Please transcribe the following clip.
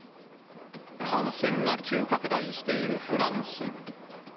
感染が急拡大しているフランス。